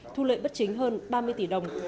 thu lợi bất chính hơn ba mươi tỷ đồng